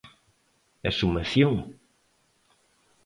¡Exhumación!